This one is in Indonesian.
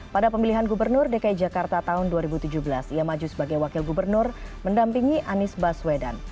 pada pemilihan gubernur dki jakarta tahun dua ribu tujuh belas ia maju sebagai wakil gubernur mendampingi anies baswedan